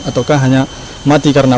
ataukah hanya mati karena